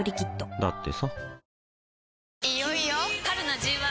だってさ